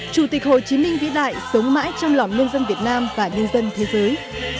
chủ tịch hồ chí minh vĩ đại sống mãi trong lòng nhân dân việt nam và nhân dân thế giới